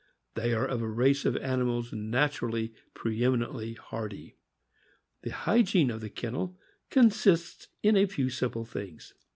They are a race of animals naturally preeminently hardy. The hygiene of the kennel consists in a few simple things.